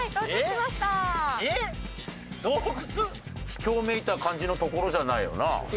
秘境めいた感じの所じゃないよな。